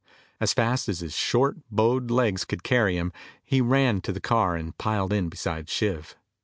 As fast as his short bowed legs would carry him, he ran to the car and piled in beside Shiv.